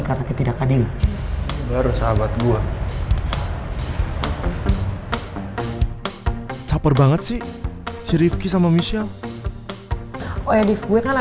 kalo betta sudah berpikir masak masak